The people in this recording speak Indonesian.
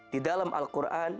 di dalam al quran